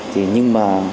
thì nhưng mà